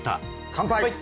乾杯！